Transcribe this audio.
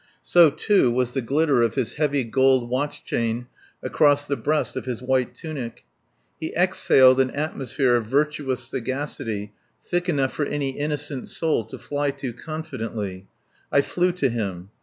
So, too, was the glitter of his heavy gold watch chain across the breast of his white tunic. He exhaled an atmosphere of virtuous sagacity serene enough for any innocent soul to fly to confidently. I flew to him.